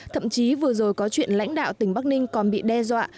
thậm chí vừa rồi có chuyện lãnh đạo tỉnh bắc ninh còn bị đe dọa